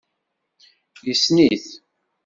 Yessen-it.